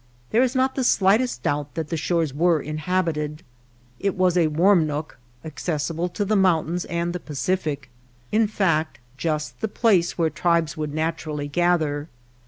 There is not the slightest doubt that the shores were inhabited. It was a warm nook, accessible to the mountains and the Pacific; in fact, just the place where tribes would naturally gather.